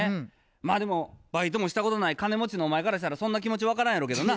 まあでもバイトもしたこともない金持ちのお前からしたらそんな気持ち分からんやろうけどな。